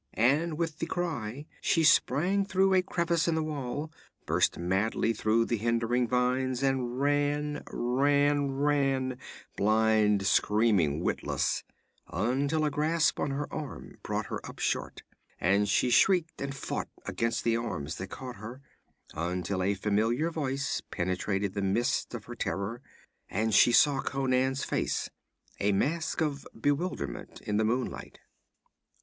_' And with the cry she sprang through a crevice in the wall, burst madly through the hindering vines, and ran, ran, ran blind, screaming, witless until a grasp on her arm brought her up short and she shrieked and fought against the arms that caught her, until a familiar voice penetrated the mists of her terror, and she saw Conan's face, a mask of bewilderment in the moonlight.